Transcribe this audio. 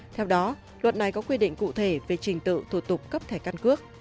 theo đó luật này có quy định cụ thể về trình tự thủ tục cấp thẻ căn cước